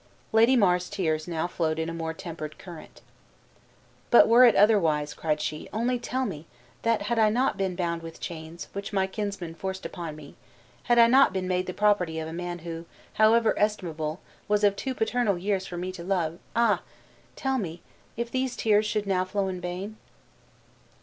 Lady Mar's tears now flowed in a more tempered current. "But were it otherwise," cried she, "only tell me, that had I not been bound with chains, which my kinsmen forced upon me had I not been made the property of a man who, however estimable, was of too paternal years for me to love; ah! tell me, if these tears should now flow in vain?"